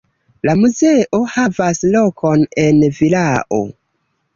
La muzeo havas lokon en vilao.